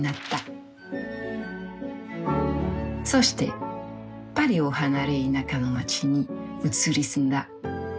そしてパリを離れ田舎の街に移り住んだ。